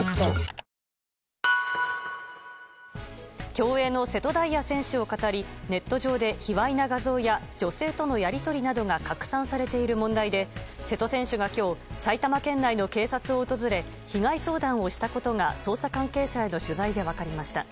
競泳の瀬戸大也選手をかたりネット上で卑猥な画像や女性とのやり取りなどが拡散されている問題で瀬戸選手が今日埼玉県内の警察を訪れ被害相談をしたことが捜査関係者への取材で分かりました。